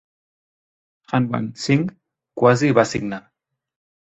Hanwant Singh quasi va signar.